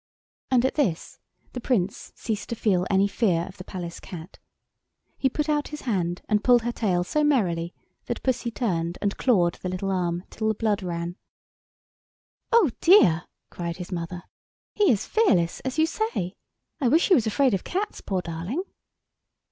And at this the Prince ceased to feel any fear of the Palace cat. He put out his hand and pulled her tail so merrily that Pussy turned and clawed the little arm till the blood ran. "Oh, dear!" cried his mother, "he is fearless, as you say. I wish he were afraid of cats, poor darling."